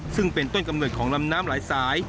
ซึ่งเป็นต้นกำเนิดของลำน้ำหลายสาย